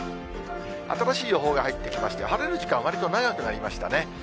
新しい予報が入ってきまして、晴れる時間、わりと長くなりましたね。